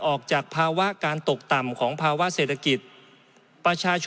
ออกจากภาวะการตกต่ำ